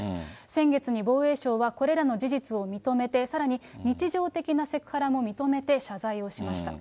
先月に防衛省はこれらの事実を認めて、さらに日常的なセクハラも認めて、謝罪をしました。